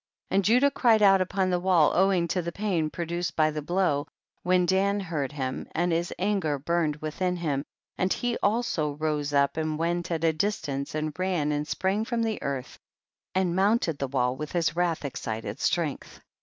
41. And Judah cried out upon the wall owing to the pain produced by the blow, when Dan heard him, and his anger burned within him, and he also rose up and went at a distance and ran and sprang from the earth and mounted the wall with his wrath excited strength.